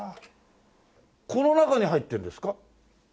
この中に入ってるんですか？